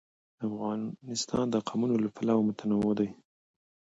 افغانستان د قومونه له پلوه متنوع دی.